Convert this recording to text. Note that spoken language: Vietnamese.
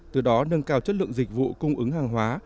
từ đó nâng cao chất lượng dịch vụ cung ứng hàng hóa